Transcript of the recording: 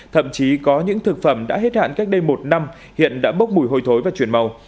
thậm chí có những thực phẩm đã hết hạn cách đây một năm hiện đã bốc mùi hôi thối và chuyển màu